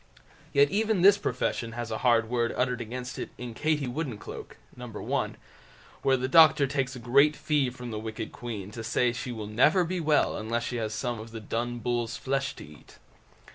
Yet even this profession has a hard word uttered against it in "Katie Woodencloak", No. l, where the doctor takes a great fee from the wicked queen to say she will never be well unless she has some of the Dun Bull's flesh to eat.